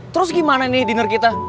terus gimana nih dinner kita